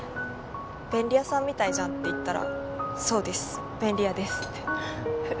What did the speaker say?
「便利屋さんみたいじゃん」って言ったら「そうです。便利屋です」って。フフッ。